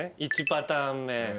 １パターン目偶数。